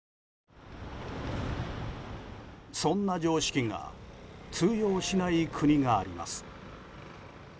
そんな常識が通用しない国があります。